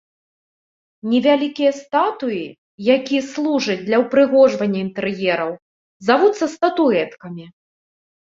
Невялікія статуі, які служыць для ўпрыгожвання інтэр'ераў, завуцца статуэткамі.